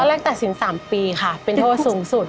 แรกตัดสิน๓ปีค่ะเป็นโทษสูงสุด